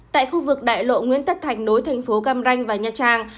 tại khu vực đại lộ nguyễn tất thạch nối thành phố cam ranh và nhà trang